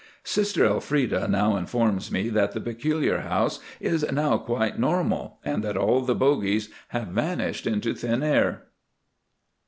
Sister Elfreda now informs me that the peculiar house is now quite "normal," and that all the "bogies" have vanished into thin air.